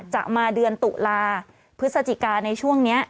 จะมาเดือนตุลาพฤศจิกาในช่วงนี้